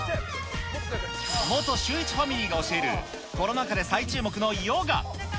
元シューイチファミリーが教えるコロナ禍で再注目のヨガ。